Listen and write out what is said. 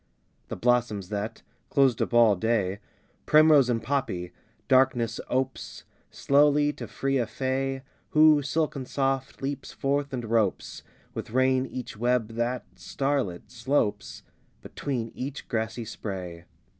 VI The blossoms that, closed up all day, Primrose and poppy, darkness opes, Slowly, to free a fay, Who, silken soft, leaps forth and ropes With rain each web that, starlit, slopes Between each grassy spray.